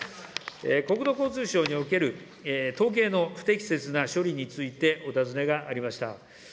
国土交通省における統計の不適切な処理についてお尋ねがありました。